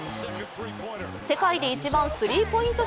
世界で一番スリーポイント